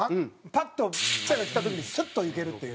パッとピッチャーがきた時にスッといけるっていう。